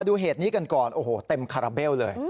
ดูเหตุนี้กันก่อนโอ้โหเต็มคาราเบลเลย